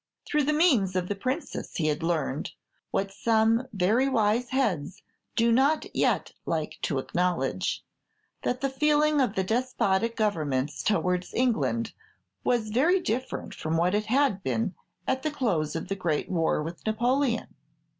Through the means of the Princess he had learned what some very wise heads do not yet like to acknowledge that the feeling of the despotic governments towards England was very different from what it had been at the close of the great war with Napoleon.